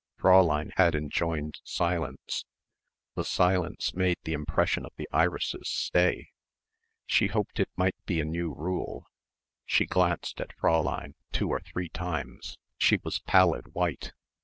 Fräulein had enjoined silence. The silence made the impression of the irises stay. She hoped it might be a new rule. She glanced at Fräulein two or three times. She was pallid white.